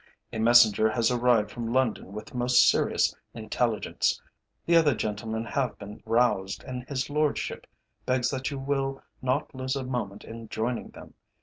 A messenger has arrived from London with most serious intelligence. The other gentlemen have been roused, and his Lordship begs that you will not lose a moment in joining them.